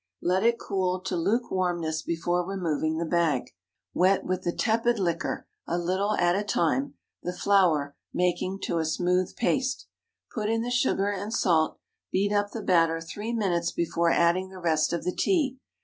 Let it cool to lukewarmness before removing the bag. Wet with the tepid liquor—a little at a time—the flour, making to a smooth paste. Put in the sugar and salt, beat up the batter three minutes before adding the rest of the tea.